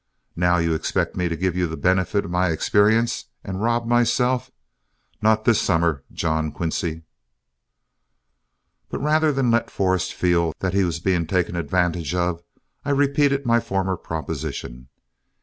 Now you expect me to give you the benefit of my experience and rob myself. Not this summer, John Quincy." But rather than let Forrest feel that he was being taken advantage of, I repeated my former proposition.